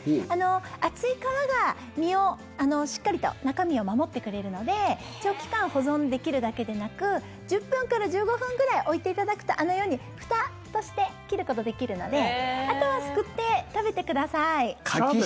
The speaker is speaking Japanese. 厚い皮が、身をしっかりと中身を守ってくれるので長期間保存できるだけでなく１０分から１５分ぐらい置いていただくとあのようにふたとして切ることできるのであとはすくって食べてください。